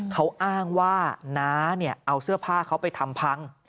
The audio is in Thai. เขาอ้างว่าน้าเอาเสื้อผ้าเขาไปทำพัง